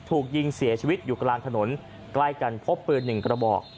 ถูกยิงเสียชีวิตอยู่กลางถนนใกล้กันพบปืนหนึ่งกระบอก